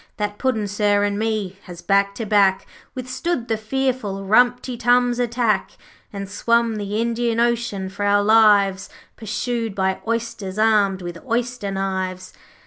That Puddin', sir, and me, has, back to back, Withstood the fearful Rumty Tums' attack, And swum the Indian Ocean for our lives, Pursued by Oysters, armed with oyster knives.